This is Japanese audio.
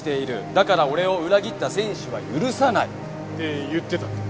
「だから俺を裏切った選手は許さない」って言ってたって。